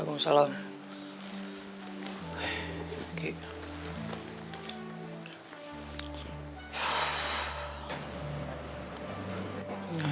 aku ingin bawa kamu ke rumah